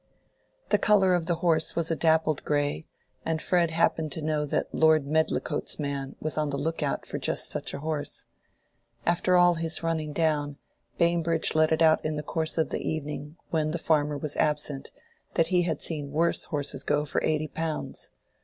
The color of the horse was a dappled gray, and Fred happened to know that Lord Medlicote's man was on the look out for just such a horse. After all his running down, Bambridge let it out in the course of the evening, when the farmer was absent, that he had seen worse horses go for eighty pounds.